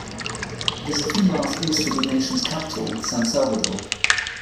It is a few miles east of the nation's capital, San Salvador.